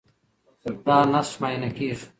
دا نسج معاینه کېږي.